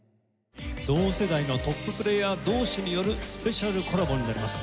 同世代のトッププレーヤー同士によるスペシャルコラボになります。